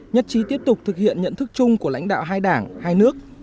nhất trí tiếp tục thực hiện nhận thức chung của lãnh đạo hai đảng hai nước